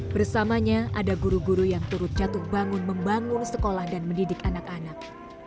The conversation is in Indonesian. bersamanya ada guru guru yang turut jatuh bangun membangun sekolah dan mendidik anak anak